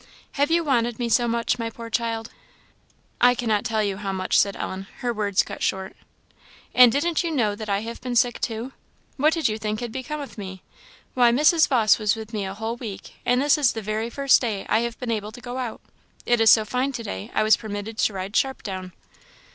"Have you wanted me so much, my poor child?" "I cannot tell you how much," said Ellen, her words cut short. "And didn't you know that I have been sick, too? What did you think had become of me? Why, Mrs. Vawse was with me a whole week, and this is the very first day I have been able to go out. It is so fine to day, I was permitted to ride Sharp down."